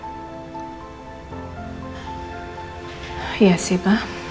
iya sih pak